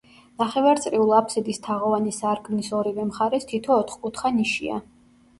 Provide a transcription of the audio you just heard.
ნახევარწრიულ აფსიდის თაღოვანი სარკმლის ორივე მხარეს თითო ოთხკუთხა ნიშია.